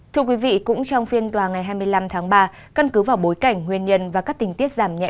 thưa quý vị cũng trong phiên tòa ngày hai mươi năm tháng ba căn cứ vào bối cảnh nguyên nhân và các tình tiết giảm nhẹ